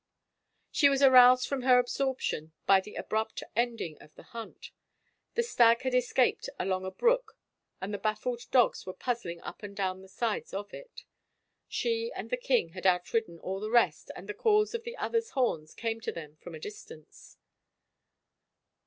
She was aroused from her absorption by the abrupt ending of the hunt : the stag had escaped along a brook and the baffled dogs were puzzling up and down the sides of it. She and the king had outridden all the rest and the calls of the others' horns came to them from a dis tance.